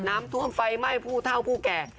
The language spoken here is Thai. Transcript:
น้ำท่วมไฟไหม้ผู้เท่าผู้แก่